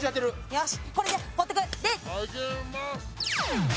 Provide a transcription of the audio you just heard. よし。